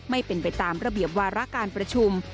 ไม่เป็นไปตามระเบียบวาระการประชุม